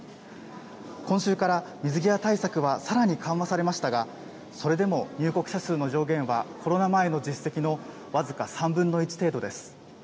今週から水際対策はさらに緩和されましたが、それでも入国者数の上限はコロナ前の実績の僅か３分の１程度です。